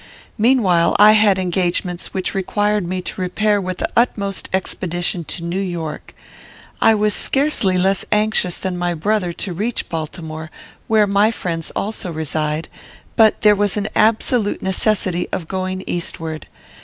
Meanwhile, I had engagements which required me to repair with the utmost expedition to New York. I was scarcely less anxious than my brother to reach Baltimore, where my friends also reside; but there was an absolute necessity of going eastward.